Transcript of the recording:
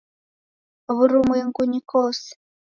Wurumwengunyi kose